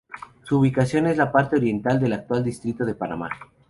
Su ubicación es la parte oriental del actual distrito de Panamá.